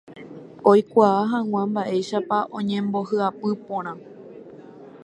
oikuaa hag̃ua mba'éichapa oñembohyapu porã.